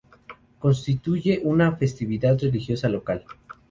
Constituye una festividad religiosa local.